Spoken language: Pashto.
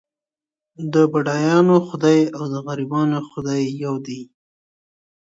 د بډایانو خدای او د غریبانو خدای یو دی.